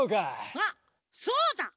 あっそうだ！